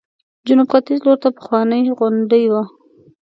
جنوب ختیځ لورته پخوانۍ غونډۍ وه.